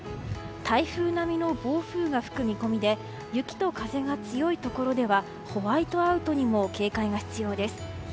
台風並みの暴風が吹く見込みで雪と風が強いところではホワイトアウトにも警戒が必要です。